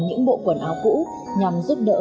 những bộ quần áo cũ nhằm giúp đỡ